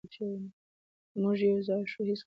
که موږ یو ځای شو، هیڅوک مو نه شي ماتولی.